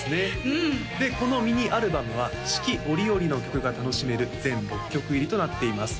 うんでこのミニアルバムは四季折々の曲が楽しめる全６曲入りとなっています